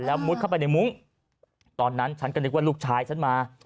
แล้วมุดเข้าไปในมุ้งตอนนั้นฉันก็นึกว่าลูกชายฉันมา